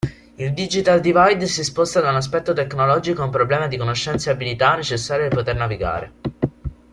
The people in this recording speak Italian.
Il "Digital divide" si sposta da un aspetto tecnologico ad un problema di conoscenze e abilità necessarie per poter navigare.